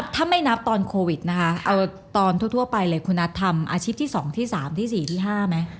ถ้าไม่นับตอนโควิดนะคะเอาตอนทั่วไปเลยคุณนัททำอาชีพที่๒ที่๓ที่๔ที่๕ไหม